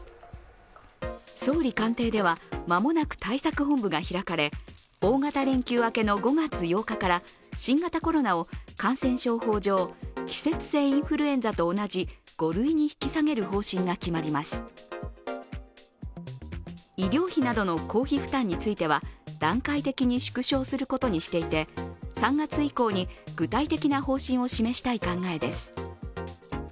総理官邸では、間もなく対策本部が開かれ大型連休明けの５月８日から新型コロナを感染症法上、季節性インフルエンザと同じ５類に引き下げる方針が決まります医療費などの公費負担については段階的に縮小することにしていて３月以降に具体的な方針を示したい考えです。